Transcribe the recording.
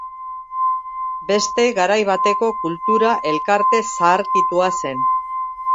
Beste garai bateko Kultura elkarte zaharkitua zen.